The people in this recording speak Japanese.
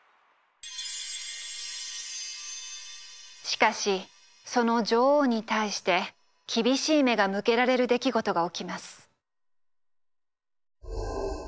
しかしその女王に対して厳しい目が向けられる出来事が起きます。